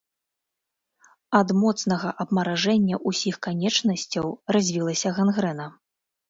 Ад моцнага абмаражэння ўсіх канечнасцяў развілася гангрэна.